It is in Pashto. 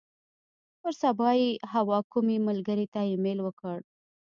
پر سبا یې حوا کومې ملګرې ته ایمیل وکړ.